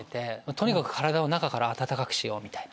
とにかく体を中から温かくしよう！みたいな。